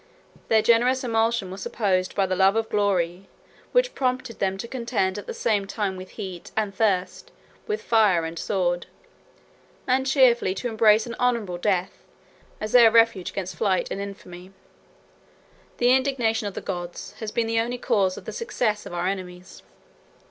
Their generous emulation was supported by the love of glory, which prompted them to contend at the same time with heat and thirst, with fire and the sword; and cheerfully to embrace an honorable death, as their refuge against flight and infamy. The indignation of the gods has been the only cause of the success of our enemies."